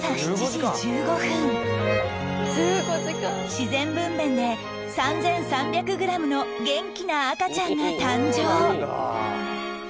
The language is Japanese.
自然分娩で３３００グラムの元気な赤ちゃんが誕生